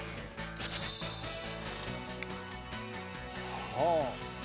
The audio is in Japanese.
はあ。